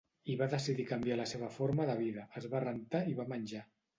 I va decidir canviar la seva forma de vida, es va rentar i va menjar.